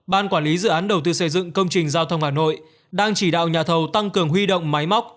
ban quản lý dự án đầu tư xây dựng công trình giao thông hà nội đang chỉ đạo nhà thầu tăng cường huy động máy móc